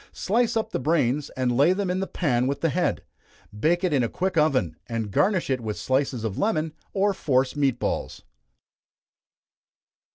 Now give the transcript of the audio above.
Slice up the brains, and lay them in the pan with the head. Bake it in a quick oven, and garnish it with slices of lemon, or force meat balls.